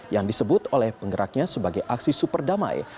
yang disebut oleh penggeraknya sebagai aksi superdamai